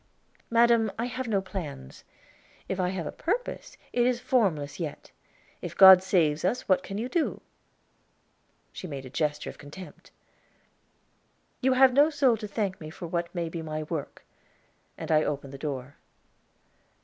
"Madam, I have no plans. If I have a Purpose, it is formless yet. If God saves us what can you do?" She made a gesture of contempt. "You have no soul to thank me for what may be my work," and I opened the door.